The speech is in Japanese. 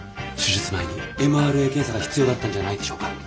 手術前にＭＲＡ検査が必要だったんじゃないでしょうか？